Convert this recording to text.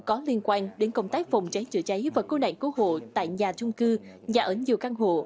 có liên quan đến công tác phòng cháy chữa cháy và cứu nạn cứu hộ tại nhà chung cư nhà ở nhiều căn hộ